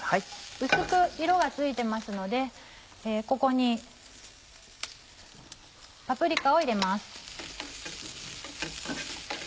薄く色がついてますのでここにパプリカを入れます。